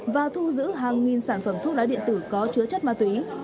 và thu giữ hàng nghìn sản phẩm thuốc lá điện tử có chứa chất ma túy